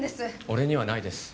俺にはないです